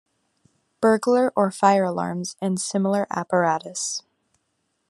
Burglar or fire alarms and similar apparatus.